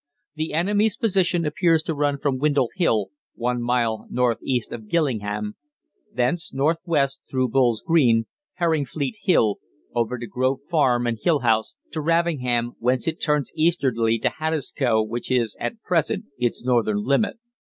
The enemy's main position appears to run from Windle Hill, one mile north east of Gillingham, thence north west through Bull's Green, Herringfleet Hill, over to Grove Farm and Hill House to Raveningham, whence it turns easterly to Haddiscoe, which is at present its northern limit.